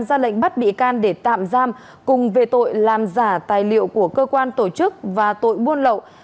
ra lệnh bắt bị can để tạm giam cùng về tội làm giả tài liệu của cơ quan tổ chức và tội buôn lậu